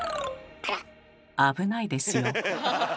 危ないですよ。